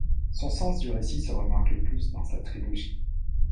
Son sens du récit se remarque le plus dans sa trilogie.